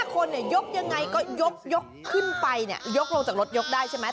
คนยกยังไงก็ยกขึ้นไปเนี่ยยกลงจากรถยกได้ใช่ไหม